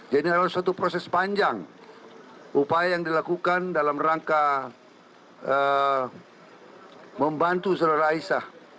jadi adalah suatu proses panjang upaya yang dilakukan dalam rangka membantu seluruh aisyah